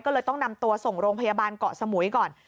ก็เลยต้องนำตัวส่งโรงพยาบาลเกาะสมุยก่อน